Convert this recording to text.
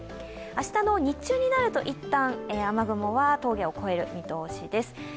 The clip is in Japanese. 明日の日中になると、一旦、雨雲は峠を越える見通しです。